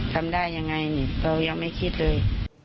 ทำได้อย่างไรเรายังไม่คิดเลย